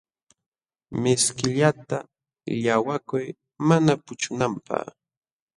Mishkillata llaqwakuy mana puchunanpaq.